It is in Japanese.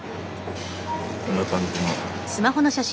こんな感じの。